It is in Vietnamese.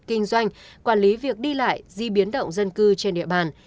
kinh doanh quản lý việc đi lại di biến động dân cư trên địa bàn